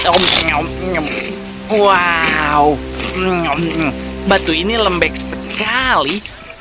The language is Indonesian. oh batu ini lembek sekali